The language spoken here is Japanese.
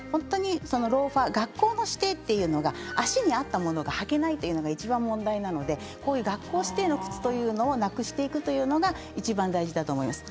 学校の指定というのが足に合ったものが履けないというのがいちばん問題なので学校指定の靴というのをなくしていくというのがいちばん大事だと思います。